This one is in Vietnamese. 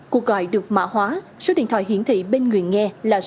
cuộc gọi được mã hóa số điện thoại hiển thị bên người nghe là